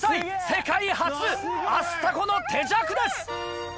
世界初アスタコの手酌です！